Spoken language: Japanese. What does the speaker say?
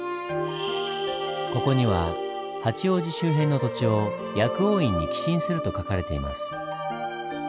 ここには「八王子周辺の土地を薬王院に寄進する」と書かれています。